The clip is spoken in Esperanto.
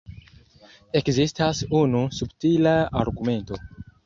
Ekzistas unu subtila argumento.